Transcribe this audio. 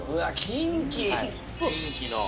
キンキの。